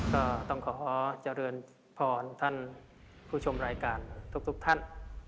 ก็ต้องขอเจริญพรท่านผู้ชมรายการทุกท่าน